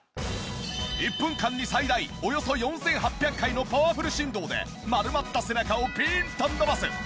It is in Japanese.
１分間に最大およそ４８００回のパワフル振動で丸まった背中をピーンと伸ばす。